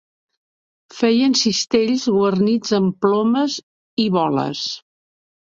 Feien cistells guarnits amb plomes i boles.